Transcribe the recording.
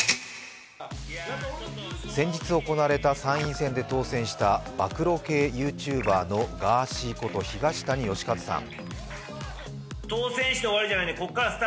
先日行われた参院選で当選した暴露系ＹｏｕＴｕｂｅｒのガーシーこと東谷義和さん。